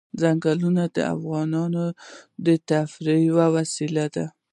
ځنګلونه د افغانانو د تفریح یوه وسیله ده.